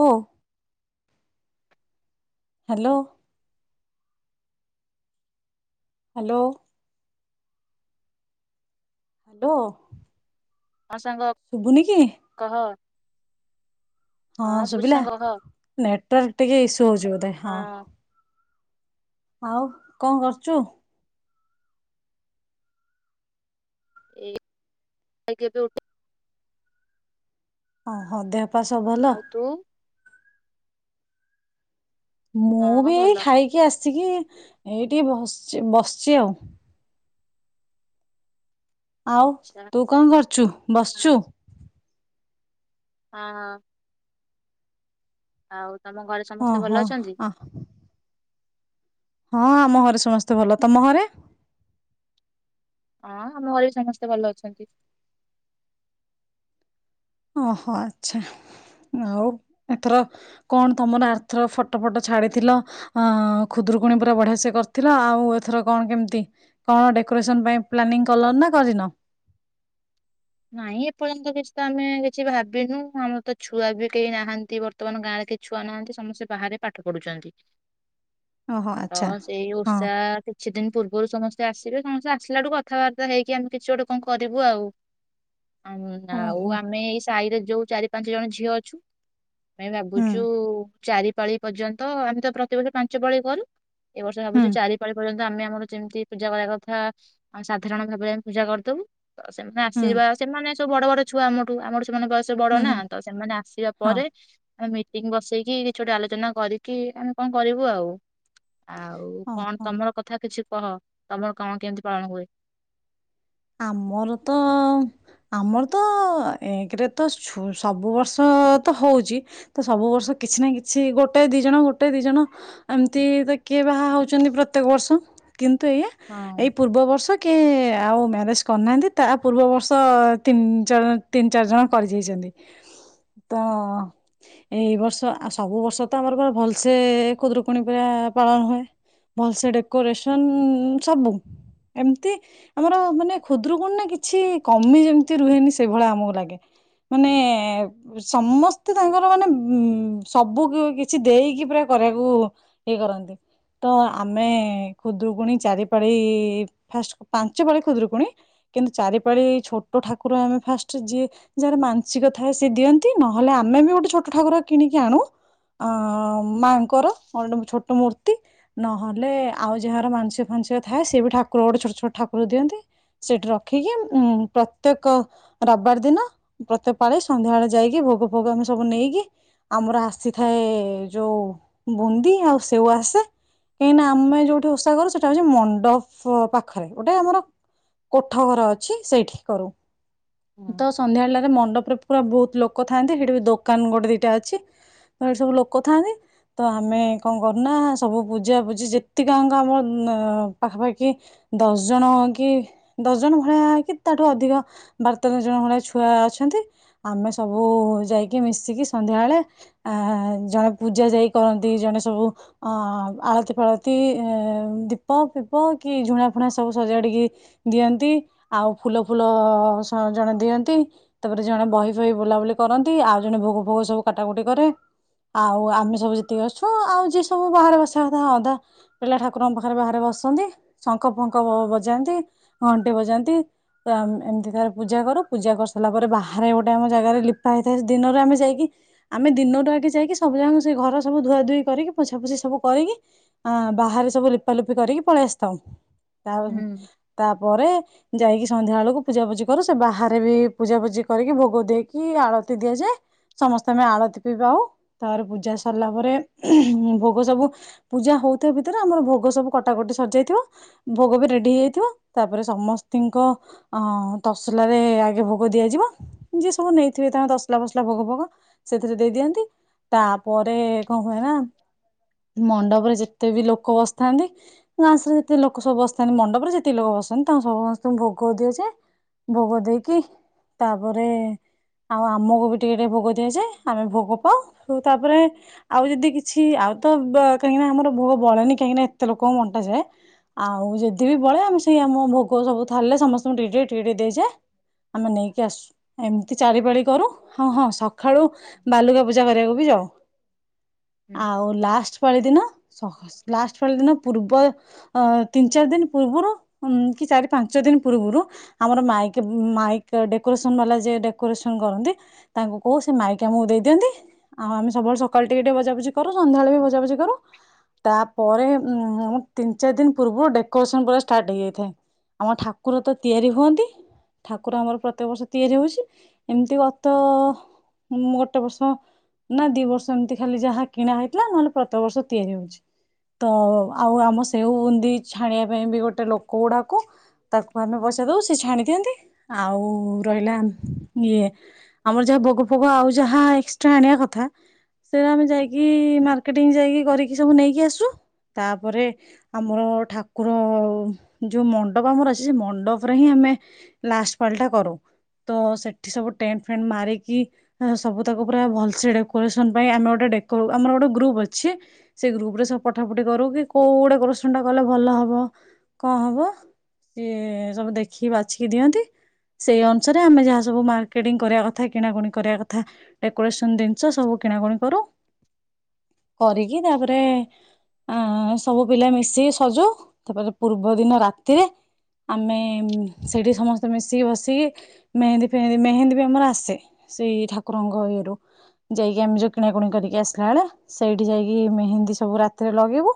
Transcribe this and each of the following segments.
ହ hello hello. Hello. ହଁ ସାଙ୍ଗ ଶୁଭୁନି କି? କହ। ହଁ ଶୁଭୁଛି ଶୁଭିଲା ସାଙ୍ଗ କହ ନେଟୱାର୍କ ଟିକେ ଇସୁ ହଉଛି ବୋଧେ ହଁ। ଆଉ କଣ କରୁଛୁ? ଖାଇକି ଏବେ ଉଠି ଓ ହୋ ଦେହ ପାହ ସବୁ ଭଲ। ଆଉ ତୁ ମୁଁ ହଁ ବି ଏଇ ଭଲ ଖାଇକି ଆସିି ଆସିକି ଏଇ ଟିକେ ବସଛି ବସିଛି ଆଉ। ଆଉ ଆଚ୍ଛା ତୁ କଣ କରୁଛୁ ହଁ ବସିଛୁ? ହଁ ହ। ଆଉ। ଘରେ ହଁ ସମସ୍ତେ ଭଲ ହଁ ଅଛନ୍ତି? ଅଁ। ହଁ ଆମ ଘରେ ସମସ୍ତେ ଭଲ ତମ ଘରେ। ହଁ ଆମ ଘରେ ବି ସମସ୍ତେ ଭଲ ଅଛନ୍ତି। ଓହୋ ଆଛା ଆଉ ଏଥର କଣ ତମର ଆର୍ଥର ଫଟୋ ଫଟ ଛାଡିଥିଲ। ଖୁଦରୁକୁଣୀ ପୁରା ବଢିଆ ସେ କରିଥିଲ। ଆଉ ଏଥର କଣ କେମିତି କଣ ଡେକୋରେସନ ପାଇଁ ପ୍ଲାନିଂ କଲଣି ନା କରିନ। ନାଇଁ ଏପର୍ଯ୍ୟନ୍ତ କିଛି ତ ଆମେ କିଛି ଭାବିନୁ ଆମର ତ ଛୁଆ ବି କେହି ନାହାନ୍ତି। ବର୍ତ୍ତମାନ ଗାଁରେ କେହି ଛୁଆ ନାହାନ୍ତି ସମସ୍ତେ ବାହାରେ ପାଠ ପଢୁଛନ୍ତି। ଓହୋ ତ ଆଚ୍ଛା ସେଇ ହଁ ଓଷା କିଛି ଦିନି। ପୂର୍ବରୁ ସମସ୍ତେ ଆସିବେ ସମସ୍ତେ ଆସିଲ ଠୁ କଥାବାର୍ତ୍ତା ହେଇକି ଆମେ କିଛି ଗୋଟେ କଣ କରିବୁ ଆଉ। ଆଉ ନା ଆଉ ଓହୋ ଆମେ ଏଇ। ସାହିରେ ଯୋଉ ଚାରି ପାଞ୍ଚ ଜଣ ଝିଅ ଅଛୁ। ଆମେ ହୁଁ ଭାବୁଛୁ ଚାରି ପାଳି ପର୍ଯ୍ୟନ୍ତ ଆମେ ତ ପ୍ରତିବର୍ଷ ପାଞ୍ଚ ପାଳି କରୁ। ଏବର୍ଷ ହୁଁ ଭାବୁଛୁ ଚାରି ପାାଳି ପର୍ଯ୍ୟନ୍ତ। ଆମେ ଆମର ଯେମତି ପୂଜା କରିବା କଥା। ଆମ ସାଧାରଣ ଭାବବେ ଆମେ ପୂଜା କରିଦବୁ ତ ସେମି ହୁଁ ସିବା ସେମାନେ। ବଡ ବଡ ଛୁଆ ଆମଠୁ ଆମ ସେମାନଙ୍କ ବୟସ ବଡ ହୁଁ ନା ହୁଁ ତ ସେମାନେ ଆସିବା ହଁ ପରେ ଆମେ ମିଟିଂ ବସେଇକି କି କିଛି ଗୋଟେ ଆଲୋଚନା କରିକି ଆମେ କଣ କରିବୁ ଆଉ। ଆଉ କଣ ଓହୋ ତମର କଥା କିଛି। କହ ତମର କଣ କେମିତି ପାଳନ ହୁଏ। ଆମର ତ ଆମର ତ ଏକ୍ରେ ତ ଛୁ ସବୁ ବର୍ଷ ତ ହଉଛି ତ ସବୁ ବର୍ଷ କିଛି ନା କିଛି ଗୋଟେ ଦି ଜଣ ଗୋଟେ ଦି ଜଣ ଏମିତି ତ କିଏ ବାହା ହଉଛନ୍ତି ପ୍ରତ୍ୟେକ ବର୍ଷ। କିନ୍ତୁ ଏୟା ଏଇ ହଁ ପୂର୍ବବର୍ଷ କିଏ ଆଉ ମ୍ୟା ରେଜ୍ କରିନାହାନ୍ତି। ତା ପୂର୍ବ ବର୍ଷ ତିନି ଚ ତିନି ଚାରି ଜଣ କରି ଯାଇଛନ୍ତି ତ ଏଇ ବର୍ଷ ଆ ସବୁ ବର୍ଷ ତ ଆମର ଭଲସେ ଖୁଦରୁକୁଣୀ ପୁରା ପାଳନ ହୁଏ ଭଲସେ ଡେକୋରେସନ ସବୁ ଏମତି ଆମର ମାନେ। ଖୁଦରୁକୁଣି ନା କିଛି କମି ଯେମିତି ରୁହେନି ସେଇଭଳିଆ ଆମକୁ ଲାଗେ। ମାନେ ସମସ୍ତେ ତାଙ୍କର ମାନେ ଉ ସବୁ କିଛି ଦେଇକି ପୁରା କରିବାକୁ ଇଏ କରନ୍ତି ତ ଆମେ ଖୁଦୁରୁକୁଣୀ ଚାରି ପାାଳି ଫାଷ୍ଟ ପାଞ୍ଚ ପାଳି ଖୁଦରୁକୁଣୀ। କିନ୍ତୁ ଚାରିପାଳି ଛୋଟ ଠାକୁର ଆମେ ଫାଷ୍ଟ ଯିଏ ଯାହାର ମାନସିକ ଥାଏ ସେିଏ ଦିଅନ୍ତି। ନହେଲେ ଆମେ ବି ଗୋଟେ ଛୋଟ ଠାକୁର କିଣିକି ଆଣୁ ଅ ମାଆଙ୍କର ଗୋଟେ ଛୋଟ ମୂର୍ତ୍ତି ନହେଲେ ଆଉ ଯାହାର ମାଂସିକ ଫାଂସଆ ଥାଏ ସେ ବି ଠାକୁର ଗୋଟେ ଛୋଟ ଛୋଟ ଠାକୁର ଦିଅନ୍ତି। ସେଠି ରଖିକି ଉଁ ପ୍ରତ୍ୟେକ ରବିବାର ଦିନ ପ୍ରତ୍ୟେକ ପାଳି ସନ୍ଧ୍ୟା ବଳେ ଯାଇକି ଭୋଗ ଫୋଗ ଆମେ ସବୁ ନେଇକି ଆମର ଆସିଥାଏ। ଯୋଉ ବୁନ୍ଦି ଆଉ ସେଉ ଆସେ କାହିଁକିନା ଆମେ ଯୋଉଠି ଓଷା କରୁ ସେଟା ହଉଛି ମଣ୍ଡପ ପାଖରେ ଗୋଟେ ଆମର। କୋଠ ଘର ଅଛି ସେଇଠି କରୁ। ହଁ ତ ସନ୍ଧ୍ୟା ବେଳ ଟରେ ମଣ୍ଡପରେ। ପୁରା ବହୁତ ଲୋକ ଥାଆନ୍ତି ସେଠି ବି ଦୋକାନ ଗୋଟେ ଦିଟା ଅଛି। ତ ସେଠି ସବୁ ଲୋକ ଥାଆନ୍ତି ତ ଆମେ କଣ କରୁନା ସବୁ ପୂଜାପୂଜି ଯେତିକଙ୍କ ଆମ ପାଖାପାଖି ଦଶ ଜଣ କି ଦଶ ଜଣ ଭଳିଆ ହେ କି ତାଠୁ ଅଧିକ ବାର ତେର ଜଣ ଭଳିଆ ଛୁଆ ଅଛନ୍ତି। ଆମେ ସବୁ ଯାଇକି ମିଶିକି ସନ୍ଧ୍ୟା ବେଳେ ଆ ଜଣେ ପୂଜା ଯାଇ କରନ୍ତି। ଜଣେ ସବୁ ଅ ଆଳତି ଫାଳତି ଦୀପ ଫିପ କି ଝୁଣା ଫୁଣା ସବୁ ସଜାଡିକି ଦିଅନ୍ତି ଆଉ ଫୁଲ ଫୁଲ ସ ଜଣେ ଦିଅନ୍ତି ତାପରେ ଜଣେ ବହି ଫହି ବୋଲାବୁଲି କରନ୍ତି ଆଉ ଜଣେ ଭୋଗ ଫୋଗ ସବୁ କାଟାକୁଟି କରେ ଆଉ ଆମେ ସବୁ ଯେତିକି ଅଛୁ ଆଉ ଯିଏ ସବୁ ବାହାରେ ବସିବା କଥା ଅଧା ପିଲା ଠାକୁରଙ୍କ ପାଖରେ ବାହାରେ ବସନ୍ତି ଶଙ୍ଖ ଫଙ୍ଖ ବଜାନ୍ତି। ଘଣ୍ଟି ବଜାନ୍ତି ତ ଏମିତି ଥରେ ପୂଜା କର ପୂଜା କରିସାରିଲା ପରେ ବାହାରେ ଗୋଟେ ଆମ ଜାଗାରେ ଲିପା ହେଇଥାଏ ଦିନରେ ଆମେ ଯାଇକି ଆମେ ଦିନରୁ ଆଗେ ଯାଇକି ସବୁ ଜାଗା ସେ ଘର ସବୁ ଧୁଆ ଧୁଇ କରିକି ପୋଛାପୋଛି ସବୁ କରିକି ଆ ବାହାରେ ସବୁ ଲିପା ଲୁପି କରିକି ପଳେଇ ଆସିଥାଉ। ହୁଁ ତାପରେ ପରେ ଯାଇକି ସନ୍ଧ୍ୟା ବେଳକୁ ପୂଜାପୂଜି କରୁ ସେ ବାହାରେ ବି ପୂଜାପୂଜି କରିକି ଭୋଗ ଦେଇକି ଆଳତି ଦିଆଯାଏ ସମସ୍ତେ ଆମେ ଆଳତି ପିଇ ପାଉ ତାପରେ ପୂଜା ସରିଲା ପରେ ଭୋଗ ସବୁ ପୂଜା ହଉଥିବା ଭିତରେ ଆମର ଭୋଗ ସବୁ କଟାକଟି ସରିଯାଇଥିବ ଭୋଗ ବି ରେଡି ହେଇଯାଇଥିବ। ତାପରେ ସମସ୍ତିଙ୍କ ଅ ତସଲା ରେ ଆଗେ ଭୋଗ ଦିଆଯିବ। ଯିଏ ସବୁ ନେଇଥିବେ ତାଙ୍କ ତସଲା ଫସଲା ଭୋଗ ଭୋଗ ସେଥିରେ ଦେଇ ଦିଅନ୍ତି ତାପରେ କଣ କୁହ ନା ମଣ୍ଡପରେ ଯେତେ ବି ଲୋକ ବସିଥାନ୍ତି ଗାଁସରେ ଯେତେ ଲୋକ ସବୁ ବସିଥାନ୍ତି ମଣ୍ଡପ ରେ ଯେତକି ଲୋକ ବସ୍ ତାଙ୍କୁ ସମସ୍ତଙ୍କୁ ଭୋଗ ଦିଆଯାଏ ଭୋଗ ଦେଇକି ତାପରେ ଆଉ ଆମକୁ ବି ଟିକେ ଟିକେ ଭୋଗ ଦିଆଯାଏ ଆମେ ଭୋଗ ପାଉ ତାପରେ ଆଉ ଯଦି କିଛି ଆଉ ତ କାହିଁକିନା ଆମର ଭୋଗ ବଳେନି କାହିଁକିନା ଏତେ ଲୋକ ବଣ୍ଟା ଯାଏ ଆଉ ଯଦି ବି ବଳେ ଆମେ ସେ ଆମ ଭୋଗ ସବୁ ଥାଲ୍ରେ ସମସ୍ତଙ୍କୁ ଟିକେ ଟିକେ ଦେଇଯାଏ। ଆମେ ନେଇକି ଆସୁ ଏମିତି ଚାରି ପାାଳି କରୁ ଆଉ ହଁ ସକାଳୁ ବାଲୁକା ପୂଜା କରିବାକୁ ବି ଯାଉ। ହୁଁ ଆଉ ଲାଷ୍ଟ ପାଳି ଦିନ। ସହ ଲାଷ୍ଟ ପାଳି ଦିନ ପୂର୍ବ ଅ ତିନି ଚାରି ଦିନ ପୂର୍ବରୁ। ଉ କି ଚାରି ପାଞ୍ଚ ଦିନ ପୂର୍ବରୁ ଆମର ମାଇକ ମାଇକ ଡେକୋରେସନ ବାଲା ଯିଏ ଡେକୋରେସନ କରନ୍ତି ତାଙ୍କୁ କହୁ ସେ ମାଇକ ଆମକୁ ଦେଇଦିଅନ୍ତି ଆଉ ଆମେ ସବୁବେଳେ ସକାଳୁ ଟିକେ ଟିକେ ବଜାବଜି କରୁ ସନ୍ଧ୍ୟାବେଳେ ବି ବଜାବଜି କରୁ ତା ପରେ ତିନି ଚାରି ଦିନ ପୂର୍ବରୁ ଡେକୋରେସନ ପୁରା ଷ୍ଟାର୍ଟ ହେଇଯାଏ ଆମ ଠାକୁର ତ ତିଆରି ହୁଅନ୍ତି ଠାକୁର ଆମର ପ୍ରତ୍ୟେକ ବର୍ଷ ତିଆରି ହଉଛି ଏମିତି ଗତ ଗୋଟେ ବର୍ଷ ନା ଦି ବର୍ଷ ଏମିତି ଖାଲି ଯାହା କିଣା ହେଇଥିଲା ନହେଲେ ପ୍ରତ୍ୟେକ ବର୍ଷ ତିଆରି ହଉଛି ତ ଆଉ ଆମ ସେଓ ବୁନ୍ଦି ଛାଣିବା ପାଇଁ ବି ଗୋଟେ ଲୋକ କୋଉଡାକୁ ତାକୁ ଆମେ ପଇସା ଦଉ ସେ ଛାଣି ଦିଅନ୍ତି ଆଉ ରହିଲା ଇଏ ଆମର ଯାହା ଭୋଗ ଫୋଗ ଆଉ ଯାହା ଏକ୍ସଟ୍ରା ଆଣିବା କଥା ସେଟା ଆମେ ଯାଇକି ମାର୍କେଟିଂ ଯାଇକି କରିକି ସବୁ ନେଇକି ଆସୁ ତାପରେ ଆମର ଠାକୁର ଯୋଉ ମଣ୍ଡପ ଆମର ଅଛି ସେ ମଣ୍ଡପରେ ହିଁ ଆମେ ଲାଷ୍ଟ ପାଳିଟା କରୁ ତ ସେଠି ସବୁ ଟେଣ୍ଟ ଫେଣ୍ଟ ମାରିକି ସବୁ ତାକୁ ପୁରା ଭଲସ ଡେକୋରେସନ ପାଇଁ ଆମେ ଗୋଟେ ଆମର ଗୋଟେ ଗ୍ରୁପ ଅଛି ସେ ଗ୍ରୁପ ରେ ସବୁ ପଠା ପଠି କରୁ କି କୋଉ ଡେକୋରେସନ ଟା କଲେ ଭଲ ହବ କଣ ହବ ସିଏ ସବୁ ଦେଖିକି ବାଛିକି ଦିଅନ୍ତି ସେଇ ଅନୁସାରେ ଆମେ ଯାହା ସବୁ ମାର୍କେଟିଂ କରିବା କଥା କିଣାକୁଣି କରିବା କଥା ଡେକୋରେସନ ଜିନିଷ ସବୁ କିଣାକୁଣି କରୁ କରିକି ତାପରେ ଆ ସବୁ ପିଲା ମିଶିକି ସଜଉ ତାପରେ ପୂର୍ବ ଦିନ ରାତିରେ ଆମେ ସେଇଠି ସମସ୍ତେ ମିଶିକି ବସିକି ମେହେନ୍ଦୀ ଫେହେନ୍ଦୀ ମେହେନ୍ଦୀ ବି ଆମର ଆସେ ସେଇ ଠାକୁରଙ୍କ ଇଏରୁ ଯାଇକି ଆମେ ଯୋଉ କିଣାକୁଣି କରିକି ଆସିଲା ବେଳେ ସେଇଠି ଯାଇକି ମେହେନ୍ଦୀ ସବୁ ରାତିରେ ଲଗେଇବୁ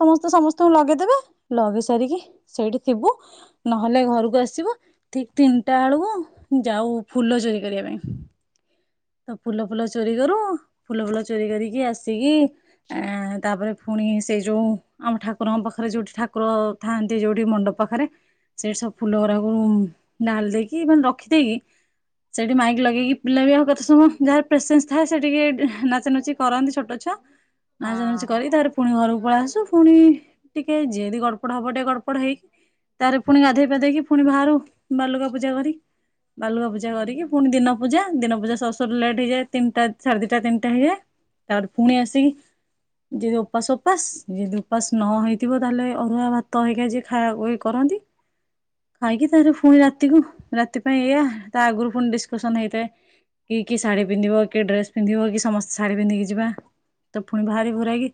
ସମସ୍ତେ ସମସ୍ତଙ୍କୁ ଲଗେଇଦେବେ ଲଗେଇ ସାରିକି ସେଇଠି ଥିବୁ ନହେଲେ ଘରକୁ ଆସିବୁ ଠିକ ତିନିଟା ବେଳକୁ ଯାଉ ଫୁଲ ଚୋରି କରିବା ପାଇଁ। ତ ଫୁଲ ଫୁଲ ଚୋରି କରୁ ଫୁଲ ଫୁଲ ଚୋରି କରିକି ଆସିକି ଆ ତାପରେ ପୁଣି ସେ ଯୋଉ ଆମ ଠାକୁରଙ୍କ ପାଖରେ ଯୋଉଠି ଠାକୁର ଥାନ୍ତି ଯୋଉଠି ମଣ୍ଡପ ପାଖରେ ସେ ସବୁ ଫୁଲ ଗୁରାକୁ ନା ଲଲ ଦେଇକି ମାନେ ରଖିଦେଇକି ସେଠି ମାଇକ ଲଗେଇକି ପିଲା ବି ଏସବୁ ଯାହାର ପ୍ରେସେନ୍ସ ଥାଏ ସେ ଟିକେ ନାଚାନୁଚି କରନ୍ତି ଛୋଟ ଛୁଆ ନାଚ ନାଚି ହଁ କରିିକି ତାପରେ ପୁଣି ଘରକୁ ପଳେଇ ଆସୁ ପୁଣି ଟିକେ ଯିଏ ଯଦି ଗଡ଼ପଡ଼ ହବ ଟିକେ ଗଡ଼ପଡ଼ ହେଇକି ତାହେଲେ ପୁଣି ଗାଧେଇ ପାଧେଇକି ପୁଣି ବାହାରୁ ବାଲୁକା ପୂଜା କରି ବାଲୁକା ପୂଜା କରିକି ପୁଣି ଦିନ ପୂଜା ଦିନ ପୂଜା ସରି ଲଟ ହେଇଯାଏ ତିନିଟା ସାଢେ ଦିଟା ତିନିଟାଇଯାଏ ତାପରେ ପୁଣି ଆସିକି ଯଦି ଉପାସ ଉପପାସ ଯଦି ଉପାସ ସରିଲେ ଟିକେ ତିନିଟା ସାଢ଼େ ଦିଟା ତିନିଟା ହେଇଯାଏ ତାପରେ ପୁଣି ଆସିକି ଯିଏ ଯଦି ଉପାସ ଉପାସ ଯିଏ ଯଦି ଉପାସ ନ ହେଇଥିବ ତାହେଲେ ଅରୁଆ ଭାତ ହେଇକା ଯିଏ ଖାଇଆକୁ ଇଏ କରନ୍ତି ଖାଇକି ତାପରେ ପୁଣି ରାତିକୁ ରାତି ପାଇଁ ଏଇଆ ତା ଆଗରୁ ପୁଣି ଡିସକସନ ହେଇଥାଏ କିଏ କିଏ ଶାଢୀ ପିନ୍ଧିବ କିଏ ଡ୍ରେସ ପିନ୍ଧିବ କି ସମସ୍ତେ ଶାଢୀ ପିନ୍ଧିକି ଯିବା ତ ପୁଣି ବାହାରି ଭୁରାକି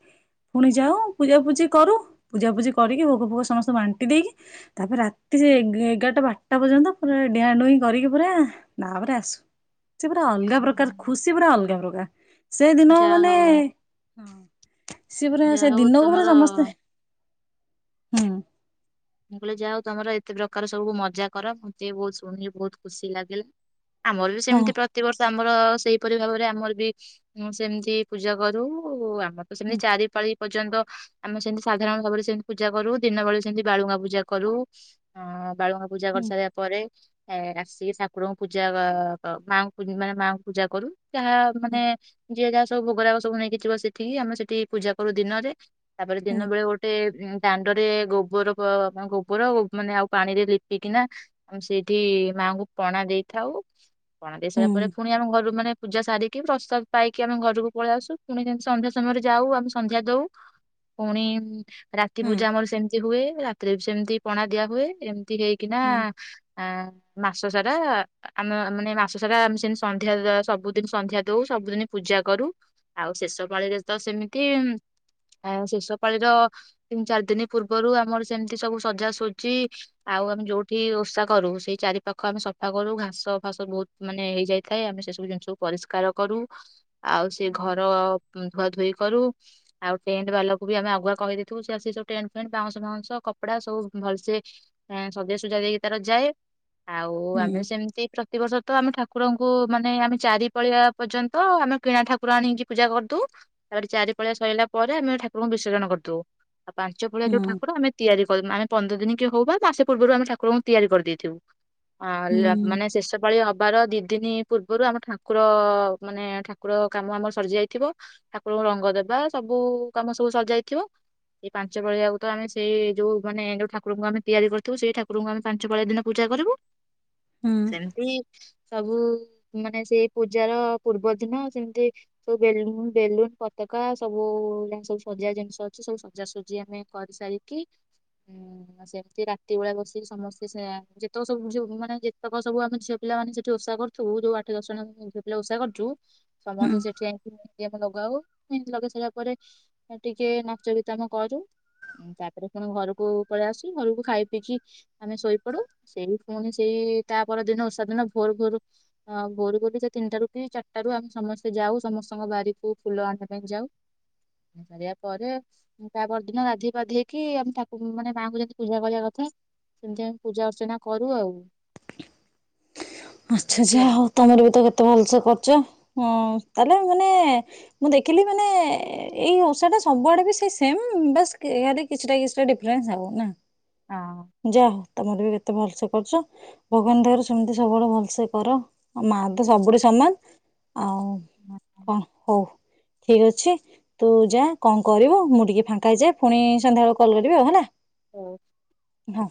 ପୁଣି ଯାଉ ପୂଜାପୂଜି କରୁ ପୂଜାପୂଜି କରିକି ଭୋଗ ଫୋଗ ସମସ୍ତେ ବାଣ୍ଟି ଦେଇକି ତାପରେ ରାତି ସେ ଏଗାରଟା ବାରଟା ପର୍ଯ୍ୟନ୍ତ ପୁରା ଡିଆଁ ଡୁଇଁ କରିକି ପୁରା ତାପରେ ଆସୁ। ସେ ପୁରା ଅଲଗା ପ୍ରକାର ଖୁସି ପୁରା ଅଲଗା ପ୍ରକାର। ସେଦିନ ଯାହା ମାନେ ହଉ ହଁ। ସିଏ ପୁରା ଯାହା ସେ ହଉ ଦିନକୁ ପୁରା ତମର ସମସ୍ତେ ହୁଁ। ମୁଁ କହିଲି ଯା ହଉ ତମର ଏତେ ପ୍ରକାର ସବୁ ମଜା କର ମତେ ବି ବହୁତ ଶୁଣିଲି ବହୁତ ଖୁସି ଲାଗିଲା ଆମର ବି ହଁ ସେମିତି ପ୍ରତିବର୍ଷ ଆମର ସେଇ କିପରି ଭାବରେ ଆମର ବି ସେମିତି ପୂଜା କରୁ ମୋତେ ହୁଁ ସେମିତି ଚାରି ପାଳି ପର୍ଯ୍ୟନ୍ତ ଆମେ ସେମତି ସାଧାରଣ ସବୁବେଳେ ସେମତି ପୂଜା କରୁ ଦିନ ବେଳେ ସେମତି ବାଳୁଗାଁ ପୂଜା କରୁ ଅଁ, ବାଳୁଗାଁ ପୂଜା ହୁଁ କରିସାରିବା ପରେ ଏ ଆସି ଠାକୁରଙ୍କୁ ପୂଜା ଅ, କ-ମାଙ୍କୁ ମାନେ ମାଙ୍କୁ ପୂଜା କରୁ। ଯାହା ମାନେ ଯିଏ ଯାହା ସବୁ ଭୋଗରାଗ ସବୁ ନେଇକି ଯିବ ସେଠିକି ଆମେ ସେଠି ପୂଜା କରୁ ଦିନରେ ତାପରେ ହୁଁ ଦିନେବେଳେ ଗୋଟେ ଉଁ, ଦା ରେ ଗୋବର ଗ- [inaudible] ଗୋବର ଓ ମାନେ ଆଉ ପାଣିରେ ଲିପିକିନା [unintelligible] ସେଇଠି ମାଙ୍କୁ ପଣା ଦେଇଥାଉ। ପଣା ଦେଇ ସାରିଲା ହୁଁ ପରେ ପୁଣି ଆମ ଘରୁ ମାନେ ପୂଜା ସାରିକି ପ୍ରସାଦ ପାଇକି ଆମେ ଘରକୁ ପଳେଇ ଆସୁ, ପୁଣି ଯେମତି ସନ୍ଧ୍ୟା ସମୟରେ ଯାଉ ଆମେ ସନ୍ଧ୍ୟା ଦଉ ପୁଣି ଉଁ ରାତି ହୁଁ ପୂଜା ଆମର ସେମତି ହୁଏ ରା ତିରେ ସେମିତି ପଣା ଦିଆ ହୁଏ, ଏମ ଥିରେଇକିନା ହୁଁ ଆଁ, ମାସ ସାରା ଆମେ ମାନେ ମାସ ସାରା ଆମେ ସେମିତି ସନ୍ଧ୍ୟା ଦ-ସବୁଦିନ ସନ୍ଧ୍ୟା ଦଉ, ସବୁଦିନ ପୂଜା କରୁ, ଆଉ ଶେଷ ପାଳିରେ ତ ସେମିତି ଉଁ, ଆଉ ଶେଷ ପାାଳିର ତିନି ଚାରି ଦିନି ପୂର୍ବରୁ ଆମର ସେମିତି ସବୁ ସଜା ସୁଜି ଆଉ ଆମେ ଯୋଉଠି ଓଷା କରୁ ସେଇ ଚାରି ପାାଖ ଆମେ ସଫା କରୁ ଘାସ ଫାସ ବହୁତ ମାନେ ହେଇଯାଇଥାଏ ଆମେ ସେ ସବୁ ଜିନିଷକୁୁ ପରିଷ୍କାର କରୁ। ଆଉ ସେ ଘର ଉଁ, ଧୁଆ ଧୁଇ କରୁ ଆଉ ଟେଣ୍ଟ ବାଲାକୁ ବି ଆମେ ଆଗୁଆ କହି ଦେଇଥିବୁ ସେ ଆସି ସବୁ ଟେଣ୍ଟ ଫେଣ୍ଟ ବାଉଁଶ ଫାଉଁଶ କପଡା ସବୁ ଭଲସେ ଏଁ, ସଜା ସୁଜା ଦେଇକି ତାର ଯାଏ। ଆଉ ହୁଁ ହୁଁ ଆମେ ସେମତି ପ୍ରତିବର୍ଷ ତ ଆମେ ଠାକୁରଙ୍କୁ ମାନେ ଆମେ ଚାରି ପାଳିଆ ପର୍ଯ୍ୟନ୍ତ ଆମେ କିଣା ଠାକୁର ଆଣିକି ପୂଜା କରିଦଉ, ତାପରେ ଚାରି ପାଳିଆ ସରିଲା ପରେ ଆମେ ଠାକୁରଙ୍କୁ ବିସର୍ଜନ କରିଦଉ, ଆ ପାଞ୍ଚ ପାଳିଆ ଯୋଉ ହୁଁ ଠାକୁର ଆମେ ତିଆରି କରୁ, ଆମେ ପନ୍ଦର ଦିନ କେ ହଉ ବା ମାସେ ପୂର୍ବରୁ ଆମେ ଠାକୁରଙ୍କୁ ତିଆରି କରିଦେଇଥିବୁ। ହଁ ହୁଁ ଲ-ମାନେ ଶେଷ ପାଳି ହବାର ଦି ଦିନି ପୂର୍ବରୁ ଆମ ଠାକୁର ମାନେ ଠାକୁର କାମ ଆମର ସରି ଯାଇଥିବ ଠାକୁରଙ୍କୁ ରଙ୍ଗ ଦେବା ସବୁ କାମ ସବୁ ସରି ଯାଇଥିବ, ଏଇ ପାଞ୍ଚ ପାଳି ଆଉ ତ ଆମେ ସେ ଯୋଉ ମାନେ ଯୋଉ ଠାକୁରଙ୍କୁ ଆମେ ତିଆରି କରିଥିବୁ ସେଇ ଠାକୁରଙ୍କୁ ଆମେ ପାଞ୍ଚ ପାଳି ଦିନ ପୂଜା କରିବୁ। ହୁଁ ସେମିତି ସବୁ ମାନେ ସେଇ ପୂଜା ର ପୂର୍ବ ଦିନ ସେମିତି ସବୁ ବେଲୁନ ବେଲୁନ ପତକା ସବୁ ଜିନିଷ ସଜା ଜନିଷ ଅଛି ସବୁ ସଜା ସଜି ଆମେ କରିସାରି କି ଉଁ, ସେମିତି ରାତି ବେଳା ବସିକି ସମସ୍ତେ ସେ ଯେତକ ସବୁ ଝିଅ ମାନେ ଯେତେକ ସବୁ ଆମେ ଝିଅ ପିଲାମାନେ ସେଠି ଓଷା କରୁଥିବୁ ଯୋଉ ଆଠ ଦଶ ଜଣ ଝିଅ ପିଲା ଓଷା କରୁଚୁ ହୁଁ। ସମସ୍ତେ ସେଠି ଯାଇକି ମୁଣ୍ଡିଆ [inaudible] ଗାଉ ପୁଣି ଲଗେଇ ସାରିବା ପରେ ଏ ଟିକେ ନାଚ ଗୀତ ଆମେ କରୁ ଉଁ, ତାପ ତାପରେ ପୁଣି ଘରକୁ ପଳେଇ ଆସି, ଘରକୁ ଖାଇ ପିଇକି ଆମେ ଶୋଇପଡୁ, ସେଇ ପୁଣି ସେଇ ତାପରଦିନ ଓଷା ଦିନ ଭୋର ଭୋର ଅ, ଭୋର ବୋଲି ସେ ତିନିଟାରୁ କି ଚାରିଟାରୁ ଆମେ ସମସ୍ତେ ଯାଉ ସମସ୍ତଙ୍କ ବାରିକୁ ଫୁଲ ଆଣିବା ପାଇଁ ଯାଉ, ଏ [unintelligible] ସାରିବା ପରେ ଉଁ, ତା ପରଦିନ ଗାଧେଇ ପାଧେଇ କି ଆମେ ତାକୁ ମାନେ ମାଙ୍କୁ ଯେମିତି ପୂଜା କରିବା କଥା ସେମତି ଆମେ ପୂଜା ଅର୍ଚ୍ଚନା କରୁ ଆଉ। ଆଚ୍ଛା ଏମିତି ଆଚ୍ଛା ଆଉ। ହଉ ତୋମର ବି ତ କେତେ ଭଲସେ କରୁଚ, ହଁ ତାହେଲେ ମାନେ ମୁଁ ଦେଖିଲି ମାନେ ଏଇ ଓଷା ଟା ସବୁଆଡେ ବି ସେଇ ସେମ୍ ବାସ୍ କି ଇଆଡେ କିଛିଟା କିଛିଟା ଡିଫରେନ୍ସ ଆଉ ନା। ହଁ। ଯା ହଉ। ତମର ବି କେତେ ଭଲ ସେ କରୁଛ ଭଗବାନ ଦୟାରୁ ସେମିତି ସବୁବେଳେ ଭଲ। ସେ କର ଆ ମାଆ ତ ସବୁଠୁ ସାନ। ହଁ, ଆଉ ଠିକ ଅଛି ତୁ ଯା କଣ କରିବୁ ମୁଁ ଟିକେ ଫାଙ୍କା ହେଇଯାଏ ପୁଣି ସନ୍ଧ୍ୟାବେେଳକୁ କଲ କରିବି ଆଉ ହେଲା ହଅ ହଁ